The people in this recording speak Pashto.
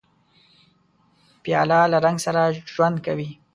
پیاله له رنګ سره ژوند کوي.